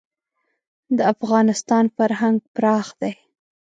د افغانستان فرهنګ پراخ دی.